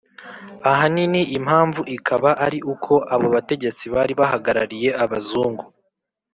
ahanini impamvu ikaba ari uko abo bategetsi bari bahagarariye abazungu,